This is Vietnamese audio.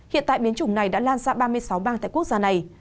hiện tại biến chủng này đã lan ra ba mươi sáu bang tại quốc gia này